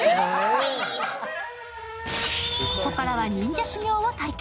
ここからは忍者修行を体験。